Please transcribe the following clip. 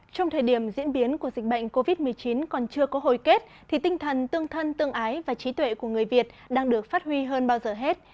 trong thời điểm diễn biến của dịch bệnh covid một mươi chín còn chưa có hồi kết thì tinh thần tương thân tương ái và trí tuệ của người việt đang được phát huy hơn bao giờ hết